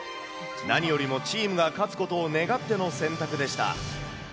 何よりもチームが勝つことを願っての選択でした。